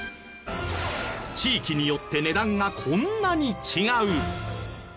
地域によって値段がこんなに違う！